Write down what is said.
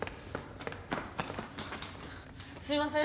すいません。